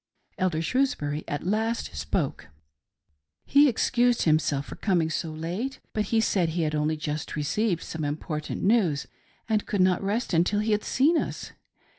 Elder Shrewsbury at last spoke. He excused himself for coming so late, but he said he had only just received some important news, and could not rest until he had seen us.